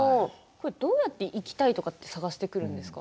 どうやって行きたいとか探してくるんですか。